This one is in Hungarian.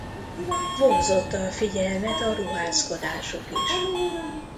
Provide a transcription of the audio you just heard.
Vonzotta a figyelmet a ruházkodásuk is.